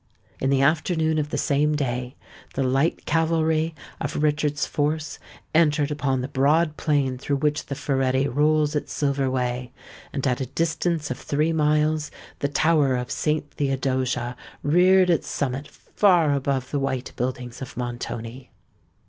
In the afternoon of the same day, the light cavalry of Richard's force entered upon the broad plain through which the Ferretti rolls its silver way; and at a distance of three miles the tower of Saint Theodosia reared its summit far above the white buildings of Montoni.